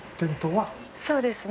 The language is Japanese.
そうですね。